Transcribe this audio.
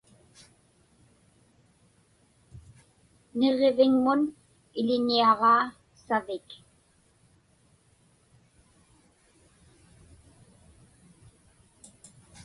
Niġġiviŋmun iḷiñiaġaa savik.